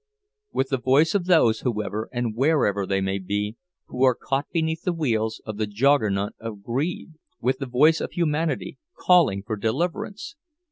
With the voice of those, whoever and wherever they may be, who are caught beneath the wheels of the Juggernaut of Greed! With the voice of humanity, calling for deliverance!